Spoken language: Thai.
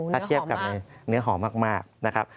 ถ้าเทียบกับเนื้อหอมมากนะครับ